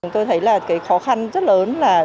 tôi thấy là cái khó khăn rất lớn là